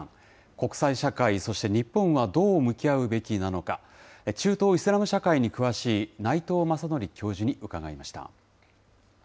国際社会、そして日本はどう向き合うべきなのか、中東・イスラム社会に詳しい内藤正典教授に伺いました。